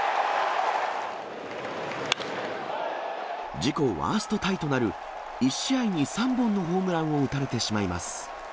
自己ワーストタイとなる１試合に３本のホームランを打たれてしまいます。